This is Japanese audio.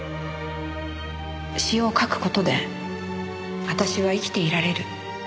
詩を書く事で私は生きていられる。